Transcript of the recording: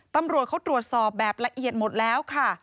ตำรวจเขาตรวจสอบแบบละเอียดหมดแล้วค่ะ